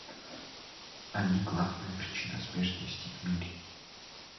Они главная причина смертности в мире.